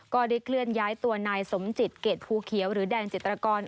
ก็ได้เคลื่อนย้ายตัวนายสมจิตเกรดภูเขียวหรือแดงจิตรกร